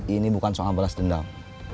ini bukan soal balas dendam